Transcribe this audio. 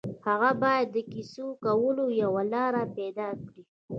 هغه باید د کیسې کولو یوه لاره پيدا کړي